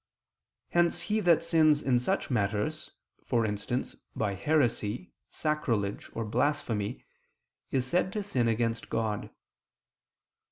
Hence he that sins in such matters, for instance, by heresy, sacrilege, or blasphemy, is said to sin against God.